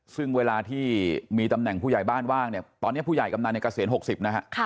ซึ่งเวลาที่มีตำแหน่งผู้ใหญ่บ้านว่างเนี่ยตอนนี้ผู้ใหญ่กำนันเนี่ยเกษียณ๖๐นะฮะ